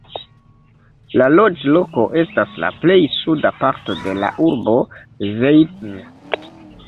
La loĝloko estas la plej suda parto de la urbo Zeitz.